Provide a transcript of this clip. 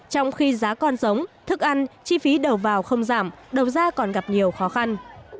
trong khi giá con giống thức ăn chi phí đầu vào không giảm đầu ra còn gặp nhiều khó khăn